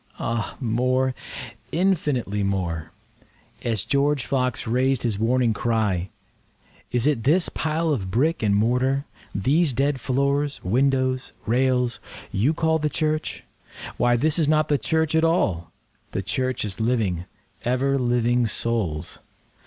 Ah more—infinitely more;(As George Fox rais'd his warning cry, "Is it this pile of brick and mortar—these dead floors, windows, rails—you call the church? Why this is not the church at all—the Church is living, ever living Souls.")